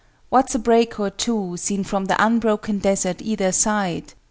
What's a break or two Seen from the unbroken desert either side?